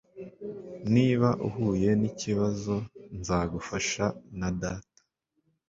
Niba uhuye nikibazo, nzagufasha, na data.